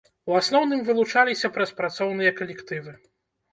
У асноўным вылучаліся праз працоўныя калектывы.